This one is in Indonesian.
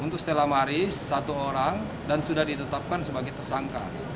untuk stella maris satu orang dan sudah ditetapkan sebagai tersangka